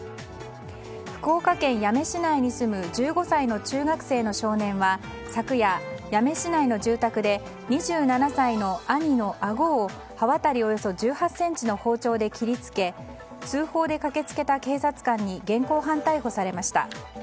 福岡県八女市内に住む１５歳の中学生の少年は昨夜、八女市内の住宅で２７歳の兄のあごを刃渡りおよそ１８ｃｍの包丁で切り付け通報で駆け付けた警察官に現行犯逮捕されました。